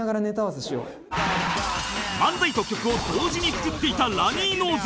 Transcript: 漫才と曲を同時に作っていたラニーノーズ